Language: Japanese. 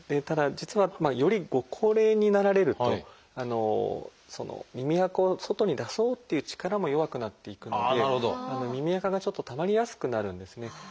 ただ実はよりご高齢になられると耳あかを外に出そうっていう力も弱くなっていくので耳あかがちょっとたまりやすくなるんですね。